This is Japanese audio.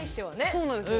そうなんですよ。